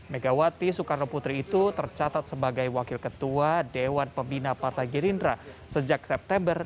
megawati soekarno putri itu tercatat sebagai wakil ketua dewan pembina partai gerindra sejak september dua ribu dua puluh